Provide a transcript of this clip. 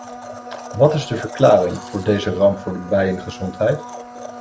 Wat is de verklaring voor deze ramp voor de bijengezondheid?